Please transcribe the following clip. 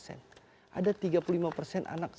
ini data bps